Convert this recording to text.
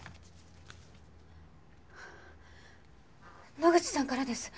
野口さんからです。